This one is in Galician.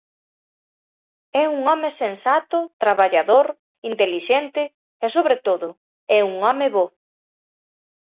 É un home sensato, traballador, intelixente e, sobre todo, é un home bo.